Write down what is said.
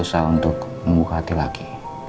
berusaha untuk membuka hati lagi